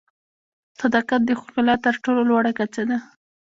صداقت د ښکلا تر ټولو لوړه کچه ده.